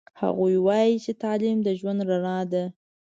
هغوی وایي چې تعلیم د ژوند رڼا ده